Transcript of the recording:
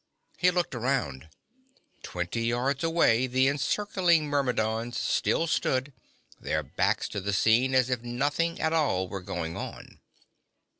He looked around. Twenty yards away, the encircling Myrmidons still stood, their backs to the scene, as if nothing at all were going on.